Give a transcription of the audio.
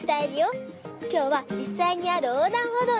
きょうはじっさいにあるおうだんほどうにきました！